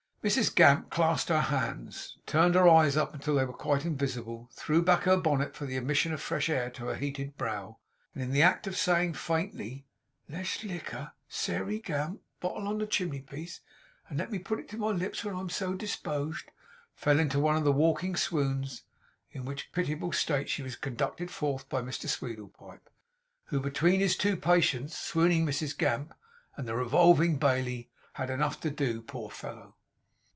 Mrs Gamp clasped her hands, turned up her eyes until they were quite invisible, threw back her bonnet for the admission of fresh air to her heated brow; and in the act of saying faintly 'Less liquor! Sairey Gamp Bottle on the chimney piece, and let me put my lips to it, when I am so dispoged!' fell into one of the walking swoons; in which pitiable state she was conducted forth by Mr Sweedlepipe, who, between his two patients, the swooning Mrs Gamp and the revolving Bailey, had enough to do, poor fellow.